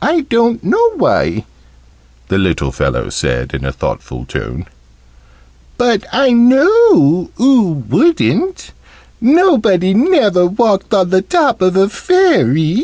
"I don't know why," the little fellow said in a thoughtful tone. "But I know oo wouldn't. Nobody never walked on the top of a Fairy.